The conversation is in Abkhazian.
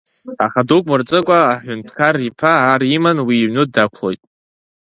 Аха дук мырҵыкәа Аҳәынҭқар-иԥа ар иман уи иҩны дақәлоит.